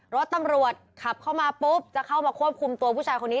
รถตำรวจขับเข้ามาปุ๊บจะเข้ามาควบคุมตัวผู้ชายคนนี้